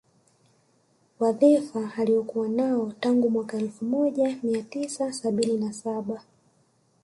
Wadhifa Aliokuwa nao tangu mwaka elfu moja mia tisa sabini na saba